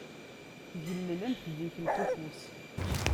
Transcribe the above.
Tgellel, am tdikelt ufus.